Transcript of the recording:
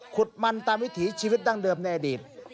ขุดมันตามวิถีชีวิตดั้งเดิมในอดีต